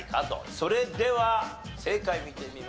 それでは正解見てみましょう。